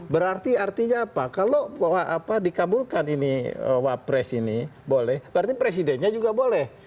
berarti artinya apa kalau dikabulkan ini wapres ini boleh berarti presidennya juga boleh